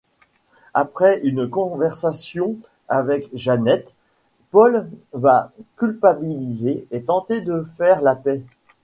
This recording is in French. Après une conversation avec Jeannette, Paul va culpabiliser et tenter de faire la paix.